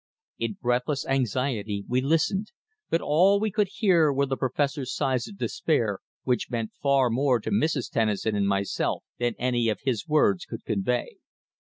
In breathless anxiety we listened, but all we could hear were the Professor's sighs of despair, which meant far more to Mrs. Tennison and myself than any of his words could convey.